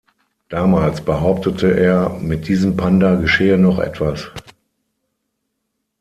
Damals behauptete er, mit diesem Panda geschehe noch etwas.